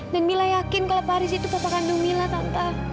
dan mila yakin kalau pak haris itu papa kandung mila tante